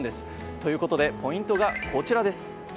ということでポイントがこちらです。